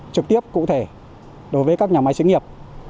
trực tiếp cụ thể đối với các nhà máy xí nghiệp